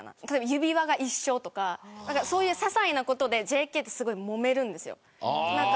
指輪が一緒とかそういうささいなことでＪＫって、すごいもめるんです。